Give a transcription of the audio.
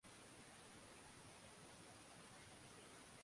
fasihi ya Kiswahili na matumizi ya lugha